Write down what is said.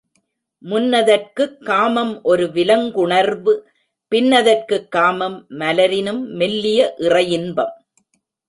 முன்னதற்குக் காமம் ஒரு விலங்குணர்வு பின்னதற்குக் காமம் மலரினும் மெல்லிய இறையின்பம்.